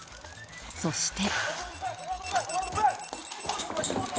そして。